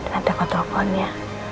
nanti aku telepon ya